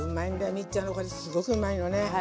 ミッちゃんのこれすごくうまいのね。